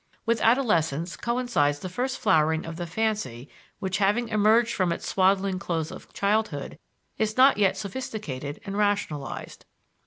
With adolescence coincides the first flowering of the fancy which, having emerged from its swaddling clothes of childhood, is not yet sophisticated and rationalized.